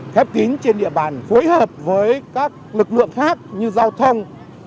khép kính trên địa bàn phối hợp với các lực lượng khác như giao thông một trăm một mươi ba